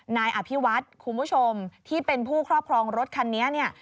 นายอภิวัฒน์คุณผู้ชมที่เป็นผู้ครอบครองรถคันนี้เนี่ย